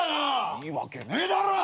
いいわけねえだろ！